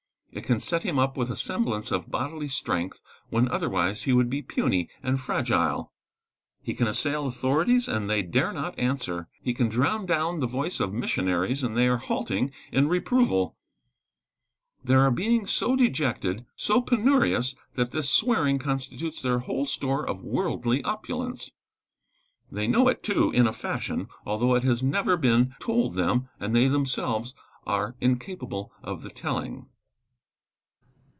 It can set him up with a semblance of bodily strength, when otherwise he would be puny and fragile. He can assail authorities, and they dare not answer. He can drown down the voice of missionaries, and they are halting in reproval. There are beings so dejected so penurious that this swearing constitutes their whole store of worldly opulence. They know it too, in a fashion, although it has never been told them and they themselves are incapable of the telling.